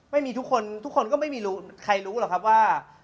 ไม่มีทุกคนทุกคนก็ไม่มีใครรู้หรอกครับว่า